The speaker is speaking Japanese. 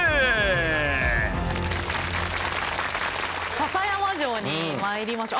篠山城にまいりましょう。